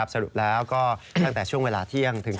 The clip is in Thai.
สรุปแล้วก็ตั้งแต่ช่วงเวลาเที่ยงถึง